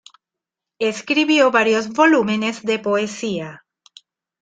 Escribió varios volúmenes de poesía.